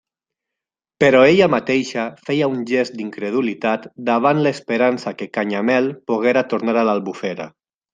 Però ella mateixa feia un gest d'incredulitat davant l'esperança que Canyamel poguera tornar a l'Albufera.